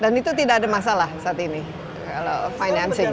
dan itu tidak ada masalah saat ini kalau financing